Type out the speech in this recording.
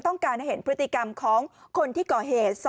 ต้องการให้เห็นพฤติกรรมของคนที่ก่อเหตุ